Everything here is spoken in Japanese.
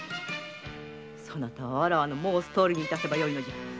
そなたはわらわの申すとおりにいたせばよいのじゃ。